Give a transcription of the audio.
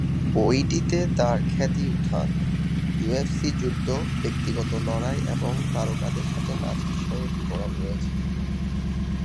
বইটিতে তাঁর খ্যাতি উত্থান, ইউএফসি যুদ্ধ, ব্যক্তিগত লড়াই এবং তারকাদের সাথে নাচের বিষয়ের বিবরণ রয়েছে।